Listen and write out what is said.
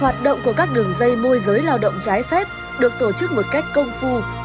hoạt động của các đường dây môi giới lao động trái phép được tổ chức một cách công phu